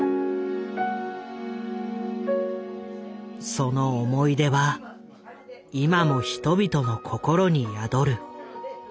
その思い出は今も人々の心に宿る。